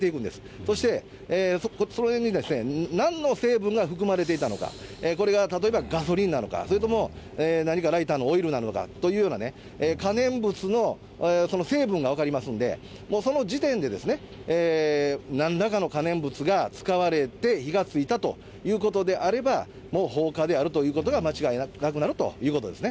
そして、それになんの成分が含まれていたのか、これが例えばガソリンなのか、それとも何かライターのオイルなのかというようなね、可燃物のその成分が分かりますんで、もうその時点で、なんらかの可燃物が使われて、火がついたということであれば、もう放火であるということが間違いなくなるということですね。